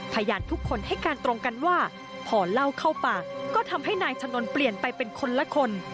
พยานทุกคนให้การตรงกันว่าพอเล่าเข้าปากก็ทำให้นายชะนนท์เปลี่ยนไปเป็นคนละคน